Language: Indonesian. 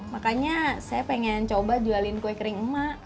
makanya saya pengen coba jualin kue kering emak